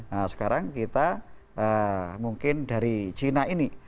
nah sekarang kita mungkin dari cina ini